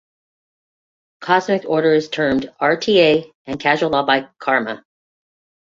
Cosmic order is termed "rta" and causal law by "karma".